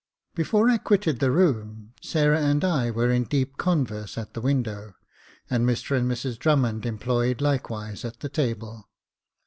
Before I quitted the room, Sarah and I were in deep con verse at the window, and Mr and Mrs Drummond employed likewise at the table.